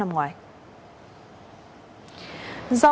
do mâu thuẫn cá nhân